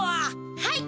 はい。